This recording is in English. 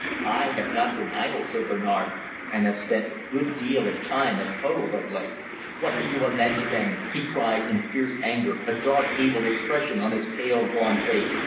I have not been idle, Sir Bernard, and have spent a good deal of time at Hove of late." "What do you allege, then?" he cried in fierce anger, a dark, evil expression on his pale, drawn face.